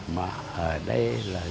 mà ở đây là